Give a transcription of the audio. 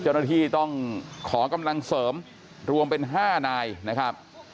เจ้าหน้าที่ต้องขอกำลังเสริมรวมเป็น๕นายนะครับ